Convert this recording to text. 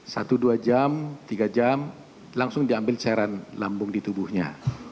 satu dua jam tiga jam langsung diambil cairan lambung di tubuhnya